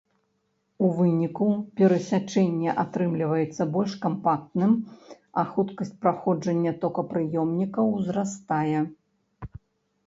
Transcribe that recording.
У выніку перасячэнне атрымліваецца больш кампактным, а хуткасць праходжання токапрыёмнікаў узрастае.